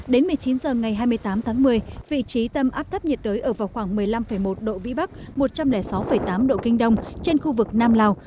đến một mươi chín h ngày hai mươi tám tháng một mươi vị trí tâm áp thấp nhiệt đới ở vào khoảng một mươi năm một độ vĩ bắc một trăm linh sáu tám độ kinh đông trên khu vực nam lào